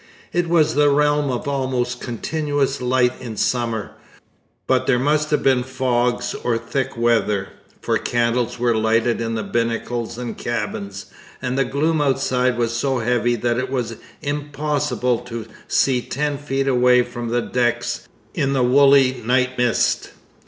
It was the realm of almost continuous light in summer; but there must have been fogs or thick weather, for candles were lighted in the binnacles and cabins, and the gloom outside was so heavy that it was impossible to see ten feet away from the decks in the woolly night mist.